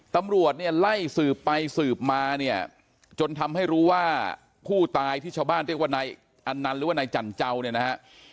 ตำรวจเนี่ยไล่สืบไปสืบมาเนี่ยจนทำให้รู้ว่าผู้ตายที่ชาวบ้านเรียกว่านายอันนันต์หรือว่านายจันเจ้าเนี่ยนะฮะ